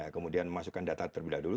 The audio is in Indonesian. kemudian masukkan data terlebih dahulu